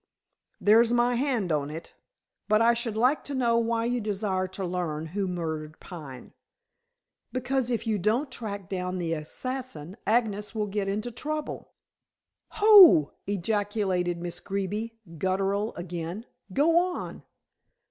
"There's my hand on it. But I should like to know why you desire to learn who murdered Pine." "Because if you don't track down the assassin, Agnes will get into trouble." "Ho!" ejaculated Miss Greeby, guttural again. "Go on."